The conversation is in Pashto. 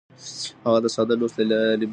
هغه د ساده لوست له لارې پیل وکړ.